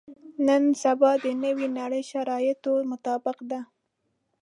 نن سبا د نوې نړۍ شرایطو مطابق ده.